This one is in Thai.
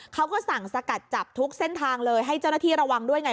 เขาก็สั่งสกัดจับทุกเส้นทางเลยให้เจ้าหน้าที่ระวังด้วยไง